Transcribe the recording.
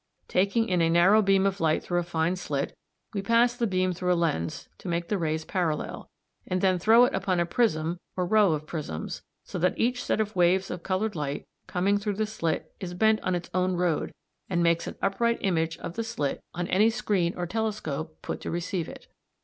Taking in a narrow beam of light through a fine slit, we pass the beam through a lens to make the rays parallel, and then throw it upon a prism or row of prisms, so that each set of waves of coloured light coming through the slit is bent on its own road and makes an upright image of the slit on any screen or telescope put to receive it (see Fig.